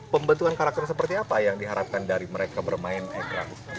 pembentukan karakter seperti apa yang diharapkan dari mereka bermain egrang